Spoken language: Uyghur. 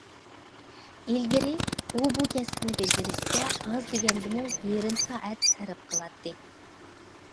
ئىلگىرى ئۇ بۇ كەسىپنى بېجىرىشكە ئاز دېگەندىمۇ يېرىم سائەت سەرپ قىلاتتى.